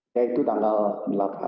yaitu tanggal delapan